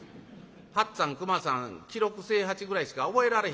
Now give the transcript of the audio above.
八っつぁん熊さん喜六清八ぐらいしか覚えられへんねや」。